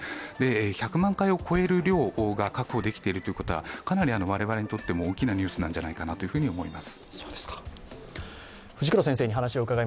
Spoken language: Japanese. １００万回を超える量が確保できているということは、かなり我々にとっても大きなニュースなんじゃないかなと思います。